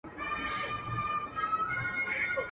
o چي نسونه ئې گوښي وي، نيتونه ئې گوښي وي.